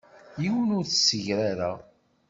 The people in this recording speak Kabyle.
Yiwen ur t-ssegrareɣ.